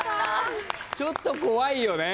ちょっと怖いよね。